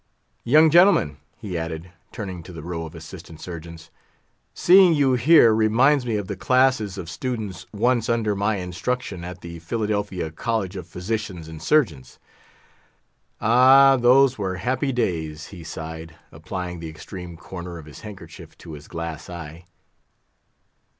"Young gentlemen," he added, turning to the row of Assistant Surgeons, "seeing you here reminds me of the classes of students once under my instruction at the Philadelphia College of Physicians and Surgeons. Ah, those were happy days!" he sighed, applying the extreme corner of his handkerchief to his glass eye.